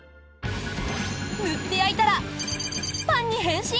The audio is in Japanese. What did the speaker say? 塗って焼いたら○○パンに変身？